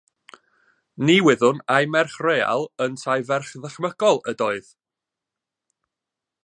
Ni wyddwn ai merch real ynteu ferch ddychmygol ydoedd.